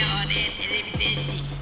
てれび戦士！